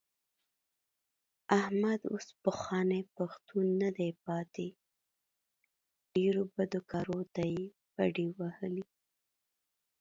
احمد اوس پخوانی پښتون نه دی پاتې. ډېرو بدو کارو ته یې بډې وهلې.